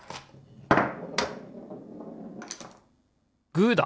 グーだ！